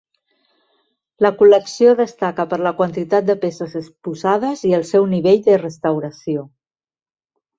La col·lecció destaca per la quantitat de peces exposades i el seu nivell de restauració.